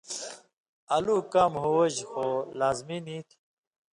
الُو کام ہُوُژ خو لازمی نی ہو،